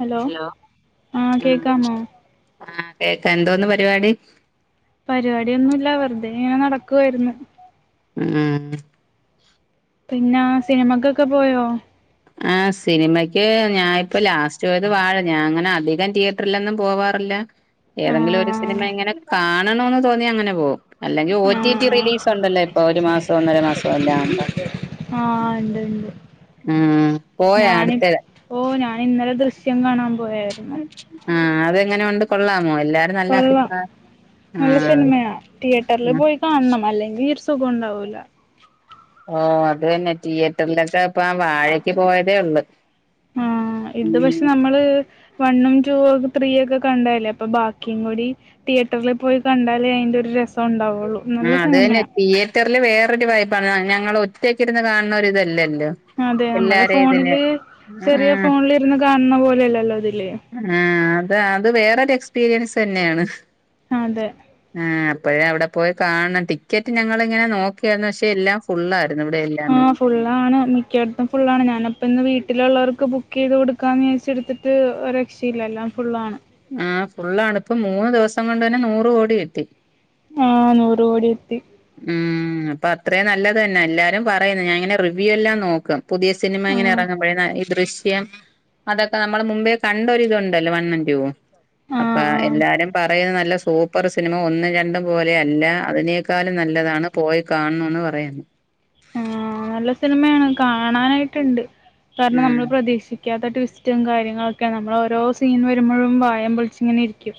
Hello ആഹ് കേക്കാമോ ആഹ് കേക്കാ എന്തോന്ന് പരിപാടി പരിപാടിയൊന്നൂല്ല വെറുതെ നടക്കുവായിരുന്നു. ഉം പിന്നാ സിനിമക്കൊക്കെ പോയോ? ആ സിനിമയ്ക്ക് ഞാനിപ്പോ ലാസ്റ്റ് പോയത് വാഴ ഞാൻ അങ്ങനെ അധികം തിയറ്ററിലൊന്നും പോവാറില്ല ഏതെങ്കിലും ഒരു സിനിമ ആഹ് ഇങ്ങനെ കാണണോന്ന് തോന്നി അങ്ങനെ പോകും അല്ലെങ്കി ഓ ടി ടി ആഹ് റിലീസ് ഉണ്ടല്ലോ ഇപ്പൊ ഒരു മാസം ഒന്നര മാസോ അല്ലാം ആകുമ്പോ ആഹ് ഇണ്ട് ഇണ്ട് പോയാ അടുത്തത് ഞാനിപ്പോ ഞാൻ ഇന്നലെ ദൃശ്യം കാണാ ആ അതെങ്ങനെ ഉണ്ട് കൊള്ള കൊള്ളാം നല്ല ആഹ് സിനിമയ തിയേറ്ററിൽ ആഹ് പോയി കാണണം അല്ലെങ്കിൽ സുഗോണ്ടാക്കൂല്ല ഓ അത് തന്നെ തിയറ്ററിലൊക്കെ ഇപ്പ ആ വാഴക്ക് പോയതേ ഉള്ളു ആഹ് ഇത് പക്ഷെ ഉം നമ്മള് വണ്ണും ടൂ ഒക്കെ ത്രീ ഒക്കെ കണ്ടതല്ലേ അപ്പൊ ബാക്കീം കൂടി തിയേറ്ററിൽ പോയി കണ്ടാലേ അതിന്റെ രസു ഉണ്ടാവും. ആ അത് തന്നെ തിയേറ്ററിില് വേറൊരു വൈബാണ് ഞങ്ങൾ ഒറ്റയ്ക്കിരുന്ന് കാണുണൊരുരിതല്ലല്ലോ അതെ നമ്മള് ഫോണില് ചെറിയ ഫോണിലിരുന്ന് കാണുന്ന പോലെയല്ലല്ലോ ഇത് ആ അത അത് വേറൊരു എക്സ്പീരിയൻസ് തന്നെയാണ് അതെ അപ്പോഴ അവിടെ പോയി കാണണം ടിക്കറ്റ് ഞങ്ങളിങ്ങനെ നോക്കിയാരുന്നു പക്ഷെ എല്ലാം ഫുള്ളായി ആഹ് ഫുള്ളാണ് മിക്കടത്തും ഫുള്ളാണ് ഞാനപ്പ ഇന്ന് വീട്ടിലുള്ളവർക്ക് ബുക്കീത് കൊടുക്കാന്ന് വിചാരിച്ചിടിത്തിട്ട് ഒരു രക്ഷീല്ല എല്ലാം ഫുള്ളാണ് ആഹ് ഫുള്ളാണ് ഇപ്പൊ മൂന്ന് ദിവസം കൊണ്ട് തന്നെ നൂറ് കോടി കിട്ടി ആഹ് നൂറ് കോടിട്ടി ഉം ഉം അപ്പൊ അത്രേം നല്ലത് തന്നെ എല്ലാരും പറയുന്ന് ഞാനിങ്ങനെ റിവ്യൂ എല്ലാം നോക്കും പുതിയ സിനിമ ഇങ്ങനെ ആഹ് ഇറങ്ങുമ്പോഴേ ഈ ദൃശ്യം അതൊക്കെ നമ്മൾ മുമ്പേ കണ്ട ഒരിതു ഉണ്ടല്ലോ വണ്ണാൻ ടൂ ഉം അപ്പൊ ആഹ് ആഹ് എല്ലാരും പറയുന്ന നല്ല സൂപ്പർ സിനിമ ഒന്നും രണ്ടും പോലെയല്ല അതിനെ ക്കാലും നല്ലതാണ് പോയി കാണൊ ണോന്ന് പറയാന്നു ആഹ് നല്ല സിനിമയാണ് കാണാനായിട്ടുണ്ട് കാരണം നമ്മൾ ആഹ് പ്രതീശ് ക്കാത്ത ട്വിസ്റ്റും കാര്യങ്ങളൊക്കെ നമ്മൾ ഓരോ സീൻ വരുമ്പോഴും വായേം പൊളിച്ചിങ്ങനെ ഇരിക്കും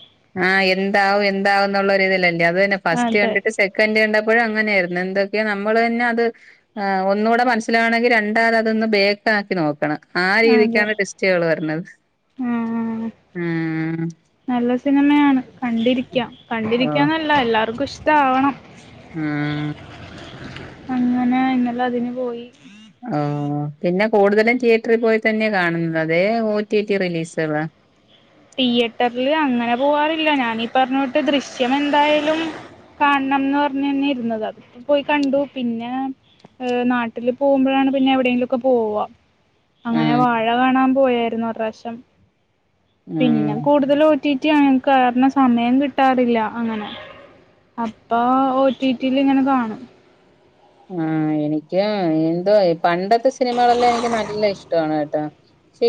ആഹ എന്താവും എന്താവന്നുള്ളരി തില്ലേ അതന്നെ ഫസ്റ്റ് അതെ കണ്ടിട്ട് സെക്കൻ്റ് കണ്ടപ്പഴും അങ്ങനേര്ന്നു. പിന്നെന്തൊക്കെയാ നമ്മൾ തന്നെ അത് ഒന്നൂടെ മനസ്സിലാവണമങ്കി രണ്ടാത് അതൊന്ന് ബേക്കിക്കി നോക്കണം. ആ അതെ രീതിക്കാണ് ടെസ്റ്റുകൾ വരണത് ആഹ് ഉം. നല്ല സിനിമയാണ് കണ്ടിരിക്ക്യ, കണ്ടിരി ക്ക്യന്നല്ല എല്ലാവർക്കും ഇഷ്ടാവണം. ഉം. അങ്ങനെ ഇന്നല അതിന് പോയി. ഓ പിന്നെ കൂടുതലും തിയേറ്ററി പോയിതന്നെയാ കാണുന്നത് അതെ ഓ ടി ടി റിലീസുകള. തീയറ്ററില് അങ്ങനെ പോവാറില്ല ഞാനീ പറഞ്ഞോട്ട് ദൃശ്യം എന്തായാലും. കാണണംന്ന് പറഞ്ഞു ന്നെ ഇര്ന്നത അ പോയി കണ്ടു പിന്നെ. ഏ നാട്ടില് പോവുമ്പഴാണ് പിന്നെ എവിടെങ്കിലുക്കെ പോവാ. അങ്ങനെ ഉം വാഴ കാണാൻ പോയായിരുന്നു റശം പിന്നെ ഉം കൂടുതലു- കിട്ടീറ്റ് ആ കേർണ സമയം കിട്ടാറില്ല അങ്ങനെ. അപ്പൊ ഓറ്റിറ്റിലിങ്ങനെ കാണും. ആഹ എനിക്ക് എന്തോ ആയി. പണ്ടത്തെ സിനിമകളെല്ലാം എനിക്ക് നല്ല ഇഷ്ടമാണ് കേട്ടാ.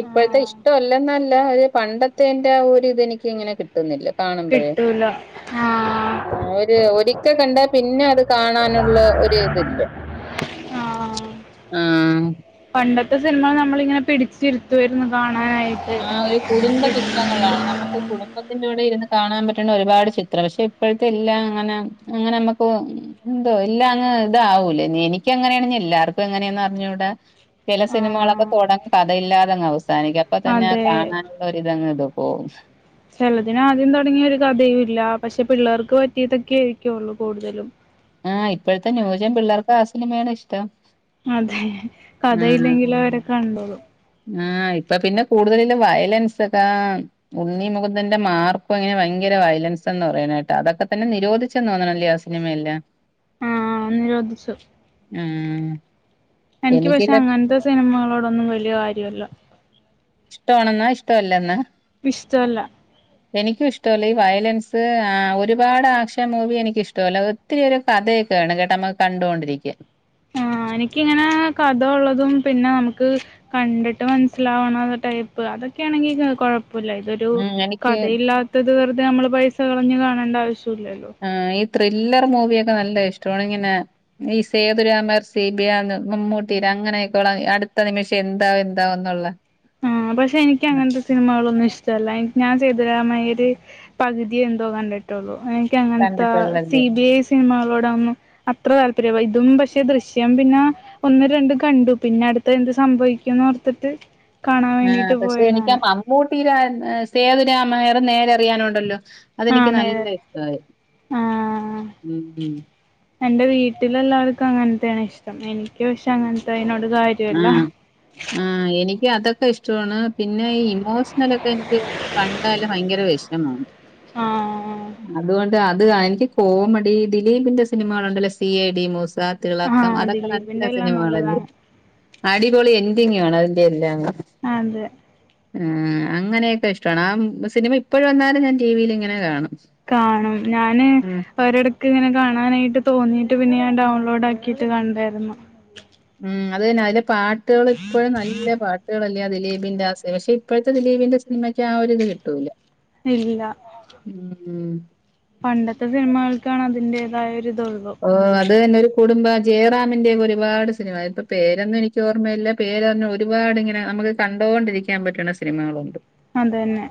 ഇപ്പോഴത്തെ ആഹ് ഇഷ്ടംല്ലന്നല്ല ഒരു പണ്ടത്തെേന്റെ ആ ഒരുത് ഇതെനിക്കിങ്ങനെ കിട്ടുന്നില്ല. ടി ട്ടൂല അ ഒരു ഒരിക്കൽ കണ്ടാ പിന്നെ അത് കാണാനുള്ള ഒരു ഇതില്ല ആഹ് ണ്ടത്തെ സിനിമ നമ്മളിങ്ങനെ പിടിച്ചി രുത്തുര് ന്നു കാണ ആ ഒരു കുടുംബ ചിത്രങ്ങളാണ് നമുക്ക് കുടുംബത്തിന്റെറെ കൂടെ ഇരുന്ന് കാണാൻ പറ്റണ്ട ഒരുപാട് ചിത്രം പക്ഷെ ഇപ്പോഴത്തെ ഇല്ല അങ്ങനെ അങ്ങനെ നമ്മുക്ക് എന്തോ ഇല്ലാങ് ഇതാവൂലേ എനിക്ക എങ്ങനെയാണ് എല്ലാർക്കും എങ്ങനെയാന്ന് അഞ്ഞൂടാ ചെല സിനിമകളൊക്കെ ആഹ് തൊടങ്ങി കഥയില്ലാതെങ്ങ് അവസാനിക്കും അപ്പൊ തന്നൊ അതെ കാണാനോള്ള ഒരിതങ് ത് പോ ചെലതിന ആദ്യം തുടങ്ങിയ ഒരു കഥയൂ ല്ല പക്ഷെ പിള്ളേർക്ക് പറ്റിയതൊക്കെ ആയിരിക്കെള്ളൂ കൂടുതലും ആഹ ഇപ്പോഴത്തെ ന്യൂജം പിള്ളേർക്ക് ആ സിനിമയാണ് ഇഷ്ടം അതെ കഥയില്ലെങ്കിലും അവര് കണ്ടോളും ആഹ ഇപ്പൊ പിന്നെ കൂടുതല് വയലൻസ് ഒക്കെ ഉണ്ണിമഖുന്ദന്റെ മാർക്കും അങ്ങനെ ഭയങ്ക ഭര വയലൻസ് എന്ന് പറയണ കേട്ട് അതൊക്കെ തന്നെ നിരോധിച്ച തോന്നണല്ലേയ് ആ സിനിമയെല്ലാം ആഹ നിരോധിച്ചു ഉം എനിക്ക് പക്ഷെ എനിക്കില്ല അങ്ങനത്തെ സിനിമകളോടൊന്നും വലിയ കാര്യവല്ല ഇഷ്ട ആണെന്നാ ഇഷ്ട അല്ല എന്നാ ഇഷ്ടല്ല എനിക്കിഷ്ടല്ല ഈ വയലൻസ് അ ഒരു പാട് ആശ മൂവി എനിക്കിഷ്ടാ ല്ല ഒത്തിരി ഒരു കഥ ണ [unintelligible] കേട്ട നമ്മക്ക് കണ്ടുകൊണ്ടിരിക്ക ആഹ എനിക്കിങ്ങിനെ കഥ ഒള്ളതും പിന്നെ നമുക്ക് കണ്ടിട്ട് മനസ്സിലാവണം ടൈപ്പ് അതൊക്കെയാണെങ്കിൽഴപ്പ കുപ്പല്ല ഇതൊരു ഉം എനിക്ക് കഥയില്ലാത്തത് വെറുതെ നമ്മള് പൈസ കളഞ്ഞു കാണേണ്ട ആവശ്യം ആ ഈ ത്രില്ലർ മൂവിയൊക്കെ നല്ല ഇഷ് ങ്ങനെ [unintelligible] ഈ സേതുരാമർസി ബി യന്ന് മമ്മൂട്ടിടെ അങ്ങനെയൊക്കെ അടുത്ത നിമിഷെ എന്താ ന്താവ് എന്താന്നൊ ള്ള ആഹ പക്ഷെ എനിക്ക് അങ്ങനത്തെ സിനിമകളൊന്നും ഇഷ്ടല്ല ഞാൻ സേതുരാമയ്യ് ര് പകുതിയ എന്തോ കണ്ടിട്ടുള്ളൂ ക്ക് ങ്ങനത്തെ സി കണ്ടിട്ടുള്ളല്ലേ ബി ഐ സിനിമകളോടന്ന് അത്ര ത ഇതും പക്ഷെ ദൃശ്യം പിന്നെ ഒന്ന് രണ്ടും കണ്ടു പിന്നെ അടുത്ത എന്ത് സംഭവിക്കുംന്ന് ഓർത്തിട്ട്? കാണാൻ ആ വേണ്ടിട്ട് പക്ഷെ എനിക്ക് പോയതാണ് മമ്മൂട്ടിടെ സേതുരാമയ്യ്റ് നേരെ അറിയാനുണ്ടല്ലോ അതെനിക്ക് ആഹ് നല്ല നേരറിയാം ഇഷ്ട്ടാ ആഹ് യി എന്റെ വീട്ടിലെല്ലാവർക്കും അങ്ങനത്തെയാണ് ഇഷ്ടം എനിക്ക് പക്ഷെ അങ്ങനത്തെ അതിനോ ആ ആ എനിക്ക് അതൊ ക്കെ ഇഷ്ടണ് പിന്നെ ഈ ഇമോഷണലൊക്കെ എനിക്കി കണ്ടാല് ഭയങ്കര വെഷമം. ആഹ് അതുകൊൺ അത് ആ എനിക്ക് കോമഡി ദിലീപിന്റെ സിനിമകൾണ്ടല്ലോ സി ഐ ഡി മൂസ് [unintelligible] തിളക്കം ആഹ് അതക്കെ നല്ല ദിലീപിന്റെ എല്ലാം സിനിമകളല്ലേ? നല്ലതാണ് അടിപൊളി എന്റിങ്ങാണ് അതിന്റെ എല്ലാംന്നു അതെ ആ അങ്ങനെയൊക്കെ ഇഷ്ടണ് ആ സിനിമ ഇപ്പഴ് വന്നാലും ഞാൻ ടിവില് ഇങ്ങനെ കാണും. കാണും ഞാന് ഉം ഓര്ടക്ക് ഇങ്ങനെ കാണാനായിട്ട് തോന്നീട്ട് പിന്നെ ഞാൻ ഡൗൺലോഡ് ആക്കിട്ട് കണ്ടാരുന്നു. ഉം അത് തന്നെ അത് ലെ പാട്ട്കള് ഇപ്പഴും നല്ല പാട്ട്കളല് [unintelligible] ദിലീപിന്റെ ആ സെ ഷെ ഇപ്പഴത്തെ ദിലീപിന്റെ സിനിമയ്ക്ക് ആ ഒരിത് കിട്ടൂല്ല. ഇല്ല... മ് കാണ് അതിന്റേതായോ ര് ഓ അത് തന്നോരു. കുടുംബ ജയറാമിന്റെയൊര് ഒരുപാട് സിനിമ ഇപ്പൊ പേരന്നും എനിക്ക് ഓർമ്മയില്ല പേരറ്ഞ്ഞ് ഒരുപാടി ങ്ങനെ നമുക്ക് കണ്ടോണ്ടിരിക്കാൻ പറ്റണ സിനിമകളുണ്ട്. അതന്നെ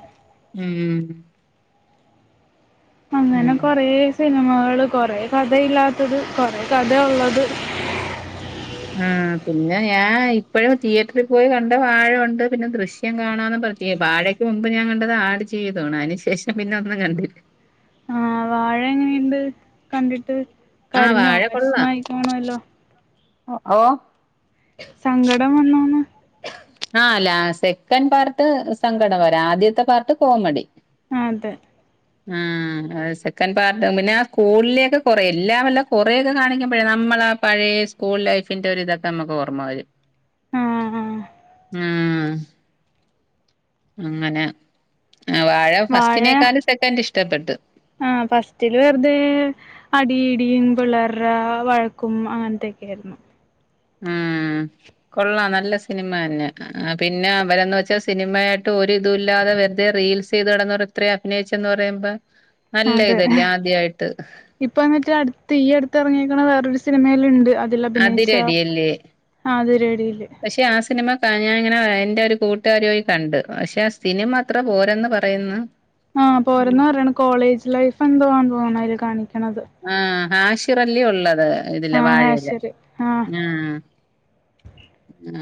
ഉം ഉം അങ്ങനെ കൊറേ സിനിമകള് കൊറേ കഥയില്ലാത്തത്, കൊറേ കഥ ഒള്ളത് ആഹ്, പിന്നെ ഞാൻ ഇപ്പഴും തിയേറ്ററിൽ പോയി കണ്ട വാഴയുണ്ട്, പിന്നെ ദൃശ്യം കാണാ വാഴക്ക് മുമ്പ് ഞാൻ കണ്ടത് ആട് ജീവിതമാണ്. അയ്ന് ശേഷം പിന്നെ ഒന്നും കണ്ടില്ല ആഹ്, വാഴ എങ്ങെനിണ്ട് കണ്ടിട്ട് ആഹ് കരഞ്ഞോ, വാഴ കൊള്ളാം വെഷ്മായിക്കാണുവല്ലോ ഓ ഓഹ് സങ്കടം വന്നോന്ന്. ഹാ ലാസ് സെക്കൻ പാർട്ട് സങ്കടംകരവാ ആദ്യത്തെ പാർട്ട് കോമഡി ആഹ് അതെ ആഹ് സെക്കൻ് പാർട്ട്, പിന്നെ സ്കൂളിലേക്ക് കൊറെ എല്ലാ വല്ല കൊറേക്കെ കാണിക്കുമ്പഴേ നമ് നമ്മളാ പഴയ സ്കൂൾ ലൈഫിന്റെ ഒര് ഇതൊക്കെ നമ്മക്ക് ഓർമ്മ വരും. ആഹ് ആഹ് ആഹ്, അങ്ങനെ ആ വാഴ ഫസ്റ്റിനേക്കാലും സക്കന്റ് ഇഷ്ട്ടപ്പെട്ട്. ആഹ്, ഫസ്റ്റ്ല് വെറുതെ അടി ഇടിം പിള്ളേര്ടെ ആഹ് വഴക്കും അങ്ങൻത്തെക്കെയായിരുന്നു. ഹ്മ്മ് കൊള്ളാം നല്ല സിനിമ തന്നെ, ആ പിന്നെ അവരെന്ന് വെച്ചാ സിനിമയായിട്ട് ഒരിതുല്ലാതെ വെറ്തെ റീ റീൽസെയ്തടന്നവർ ഇത്രേം അഭിനയിചെന്ന് പറയുമ്പ അതെ, [inaudible] ഇപ്പന്നിട്ട് അട്ത്ത് ഈ അട്ത്തറങ്ങിക്ക്ണ വേറൊരു സിനിമയില്ണ്ട് അതിലഭിനയിച്ച അതിരടിയല്ലേ ആ അത് ലേഡില് ആഹ് ഞാൻ ഇങ്ങനെ എന്റെ ഒര് കൂട്ടാരി പോയ് കണ്ട് പക്ഷെ ആ സിനിമ അത്ര പോരെന്ന് പറയ്ന്ന്. ആഹ് പോരെന്ന് പറയ്ണ്, കോളേജ് ലൈഫ് എന്തോ ആണെന്ന് തോനുന്നു അയില് കാണി ആഹ് ഹാഷിറല്ലി ഒള്ളത് ഇതില് ആഹ് ആഹ് വാഴേല്. ശരി ആഹ്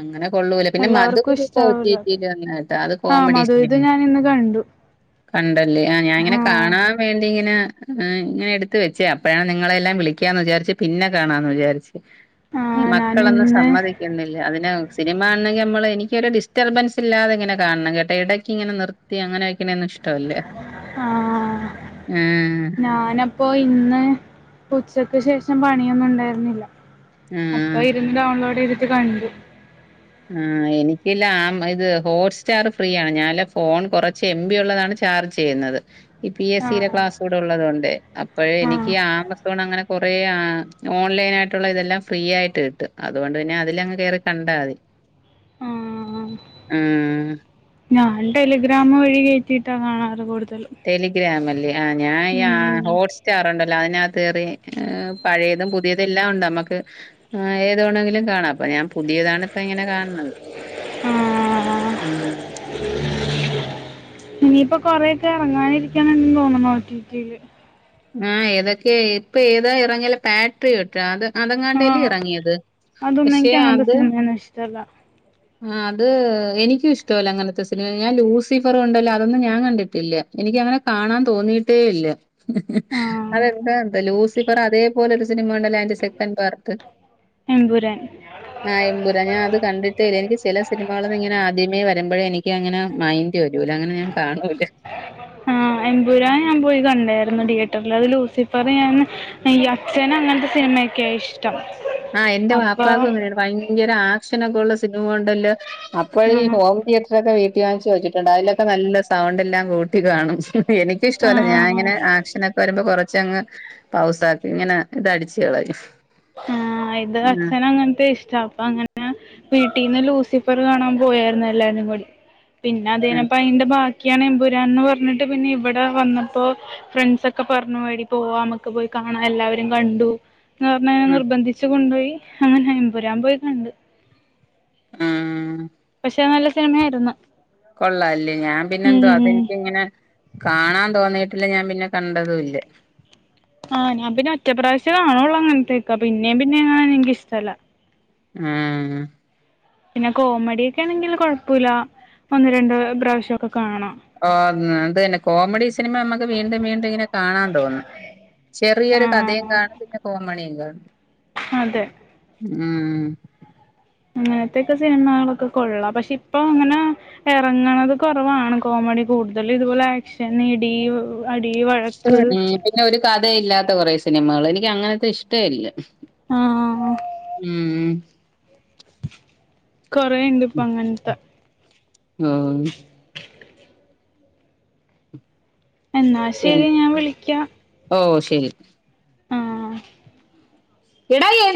അങ്ങനെ കൊള്ളൂല പിന്നെ എല്ലാവർക്കും മധുവിധം ഇപ്പൊ ഒ ടി ടി ഇഷ്ട്ടാവൂലത്. യിൽ വന്ന് കേട്ടോ അത് ആഹ് കോമഡി മധുവിധു സിനിമയാ ഞാന് ഇന്ന് കണ്ടു. [inaudible] കണ്ടല്ലേ ആഹ്, ഞാനിങ്ങനെ ആഹ് കാണാൻ വേണ്ടി ഇങ്ങന ഏഹ് ഇങ്ങനെ എ ട്ത്ത് വെച്ചേഴാ അപ്പഴാണിങ്ങളെയെല്ലാം വിളിക്കാംന്ന് വിചാരിച്ച് പിന്നെ കാണാംന്ന് വിചാരിച്ച്. ആഹ് ഞാൻ മക്കളൊന്നും ഇന്ന് സമ്മതിക്കുന്നില്ല, അതിന് സിനിമ കാണണെങ്കില് നമ്മള് എനിക്കൊര് ഡിസ് ഡിസ്റ്റർബൻസില്ലാതെ ഇങ്ങനെ കാണണം എട എടയ്ക്കിങ്ങനെ നിർത്തി അങ്ങനെ വെയ്ക്ക്‌ണൊന്നും ഇഷ് ഷ്ട്ടമല്ല. ആഹ് ആഹ് അപ്പം ഇന്ന് ഉച്ചക്ക് ശേഷം പണിയൊന്നും ഉണ്ടായിരുന്നില്ല ആഹ് അപ്പൊ ഇരുന്ന് ഡൗൺലോഡ് ചെയ്തിട്ട് കണ്ട്. ആഹ് എനിക്കില്ലാമ്പിത് ഹോട്ട്സ്റ്റാറ് ഫ്രീയാണ്. ഞാൻല്ല ഫോൺ കൊറച്ച് എം ബി ഉള്ളതാണ് റീചാർജ് ചെയ്യുന്നത്. ഈ പി എസ് ആഹ് സിയുടെ ക്ലാസും ആഹ് കൂടെ ഉള്ളതുകൊണ്ട് ണ്ട്, അപ്പഴെ എനിക്ക് ആഹ് ഈ ആമസണങ്ങനെ കൊറ യാ ഓൺലൈനായിട്ടുള്ളതെല്ലാം ഫ്രീ ആയിട്ട് കിട്ടും. അതുകൊണ്ട് പിന്നെ അതിലങ്ങ് കേറി കണ്ടാമതി, ആഹ് ആഹ് ഞാൻ ടെലഗ്രാമ് വഴി കേറ്റിട്ടാ കാണാറ് കൂട്തൽ ടെലിഗ്രാമല്ലേ ആഹ് ഞാൻ ഈഹാ ഉം ഹോട്ട്സ്റ്റാറുണ്ടല്ലോ അതിനകത്ത് തിനകത്ത് കേറി പഴയതും പുതിയത എല്ലാം ഉണ്ടമ്മക്ക് ഏത് വെണെങ്കിലും കാണാം, അപ്പം ഞാൻ പുതിയത് ഇതാണിപ്പം ഇങ്ങനെ കാൻണത്. ആഹ് ഹ്മ്മ് ഇ ഇനിയിപ്പൊ കൊറേയൊക്കെ എറങ്ങാനിരിക്ക്ണ്‌ണ്ട് തോന്ന്ണു ഒട്ടിറ്റില് ആഹ് ഏതൊക്കെ ഇപ്പ ഏതാ എറങ്ങല് പാട്രി കേട്ട്ന് അത് അതങ്ങാണ്ടല്ലേ ആഹ് ഇറങ്ങിയത്. അതൊന്നും പക്ഷെ എനിക്ക് അങ്ങനത്തെ അത്, സിനിമയൊന്നും ഇഷ്ടല്ല ആഹ് അത് എനിക്കും ഇഷ്ടമല്ല അങ്ങനത്തെ സിനിമ, ഞാൻ ലൂസിഫറുണ്ടല്ലോ അതൊന്നും ഞാൻ കണ്ടിട്ടില്ല, എനിക്കങ്ങനെ കാണാൻ തോന്നി ട്ടേ ഇല്ല. ഹ ഹ, ആഹ് അതെന്താ എന്തോ ലൂസിഫർ അതേപോലൊരു സിനിമ ഉണ്ടല്ലോ അതിന്റെ സെക്കൻ പാർട്ട് എമ്പുരാൻ നായമ്പുര, ഞാൻ അത് കണ്ടിട്ടില്ല. എനിക്ക് ചില സിനിമകളിന്ന് ഇങ്ങനെ ആദ്യമേവ വരുമ്പോഴ എനിക്ക് അങ്ങനെ മൈന്റ് വരൂല. അങ്ങനെ ഞാൻ കാണൂല. ആ. എമ്പുരാൻ ഞാൻ പോയി കണ്ടായിരുന്നു തിയേറ്ററിൽ. അത് ലൂസിഫർ ഞാൻ, ഈ അച്ഛനങ്ങനത്തെ സിനിമ സിനിമേക്കെ ഇഷ് ആഹ് എന്റെ വാപ്പാക്കും അങ്ങനെയാണ്. ഭയങ്കര ആക്ഷനൊക്കെള്ള സിനിമ ഉണ്ടല്ലോ. അപ്പോഴ ഈ ആഹ് ഹോം തിയേറ്ററൊക്കെ വീട്ടി വാങ്ങിച്ച് വെച്ചിട്ടുണ്ട്. അതിലൊക്കെ നല്ല സൗണ്ട് എല്ലാം കൂട്ടി കാണും. എനിക്ക ഇഷ്ടല്ല ആഹ് ഞാനിങ്ങനെ ആക്ഷനൊക്കെ വരുമ്പോൾ കുറ ചങ്ങ് പൗസാക്കും. ഇങ്ങനെ ഇതടിച്ചു കളയും. ആ ഇത് ആഹ് അച്ഛന അങ്ങനത്തെ ഇഷ്ടാ. അപ്പ അങ്ങനെ വീ വീട്ടീന്ന് ലൂസിഫർ കാണാൻ പോയായിരുന്നു എല്ലാരും കൂടി. പിന്നെ ആഹ് അതഴിഞ്ഞപ്പോ അയിന്റെ ബാക്കി ആണ് എമ്പുരാന്ന് പറഞ്ഞിട്ട് പിന്നെ ഇവിടെ വന്നപ്പോ ഫ്രണ്ട്സ് ഒക്കെ പറഞ്ഞു, എടി പോവാമുക്ക് പോയി കാ ങ്ങൾ എല്ലാവരും കണ്ടു. എന്നെ ആഹ് നിർബന്ധിച്ചച്ച് കൊണ്ടുപോയി, അങ്ങനെ എൻബുരാൻ പോയി കണ്ട്. ആ. [unintelligible] നല്ല സിനിമയായിരുന്നു. കൊള്ളാലെ. ഞാൻ പിന്നെ എന്തോ ഉം അതെനിക്കിങ്ങനെ കാണാൻ തോന്നീട്ടില്ല ഞാൻ പിന്നെ കണ്ടതും ഇല്ല. ആഹ് ഞാൻ പിന്നെ ഒറ്റപ്രാവശ്യം കാണുള്ളൂ അങ്ങനത്തേക്ക. പിന്നേം, പിന്നേം കാണാണെ എനിക്ക ഇഷ്ടല്ലാ. ആ. പിന്നെ കോമഡിയക്കെ ആണെങ്കിൽ കൊഴപ്പില്ല ഒന്ന്, രണ്ട പ്രാവശ്യക്കെ കാണാം. ഉ അത് തന്നെ, കോമഡി സിനിമ നമുക്ക് വീണ്ടും വീണ്ടും ഇങ്ങനെ കാണാൻ തോന്നും. ചെറിയൊരു കഥയും ആഹ് കാണും പിന്നെ കോമഡിയും. [inaudible] അതെ. ഉം. അങ്ങനത്തൊക്കെ സിനിമകളൊക്കെ കൊള്ളാം. പക്ഷെ ഇപ്പൊ അങ്ങനെ ഇറങ്ങണത് കുറവാണ് കോമഡി കൂടുതൽ ഇതുപോലെ ആക്ഷൻ ഇടി അടി ഉ വഴക്ക് പിന്നെ ഒരു കഥയില്ലാത്ത കൊറെേ സിനിമകൾ, എനിക്ക് അങ്ങനത്തെ ഇഷ്ട്ടല്ല. ആ. ഉം. കൊറേണ്ട് ഇപ്പൊ അങ്ങനത്തെ. ആ എന്നാ ശരി ഞാൻ വിളിക്കാം. ഓ ശരി. ആ എടാ എ